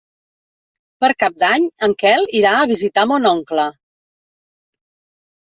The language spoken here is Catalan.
Per Cap d'Any en Quel irà a visitar mon oncle.